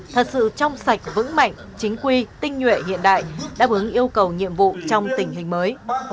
thật sự trong sạch vững mạnh chính quy tinh nhuệ hiện đại đáp ứng yêu cầu nhiệm vụ trong tình hình mới